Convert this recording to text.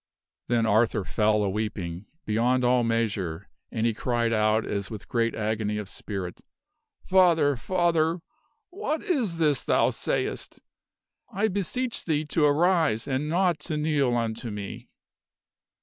Then Arthur fell a weeping beyond all measure and he cried out as with great agony of spirit, "Father! father! what is this thou sayst? I beseech thee to arise and not to kneel unto me."